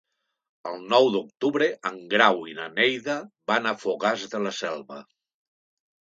El nou d'octubre en Grau i na Neida van a Fogars de la Selva.